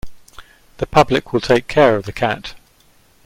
The public will take care of the cat.